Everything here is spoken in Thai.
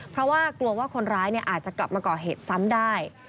เพราะว่ากลัวว่าคนร้ายอาจจะกลับมาก่อเหตุซ้ำได้